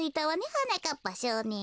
はなかっぱしょうねん。